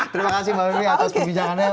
terima kasih mbak bibi atas pembincangannya